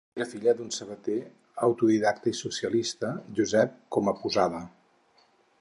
Era filla d'un sabater autodidacta i socialista, Josep Comaposada.